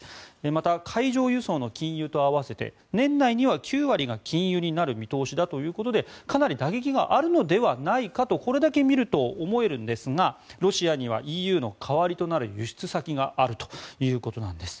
また、海上輸送の禁輸と合わせて年内には９割が禁輸になる見通しだということでかなり打撃があるのではないかとこれだけ見ると思えるんですがロシアにはＥＵの代わりとなる輸出先があるということなんです。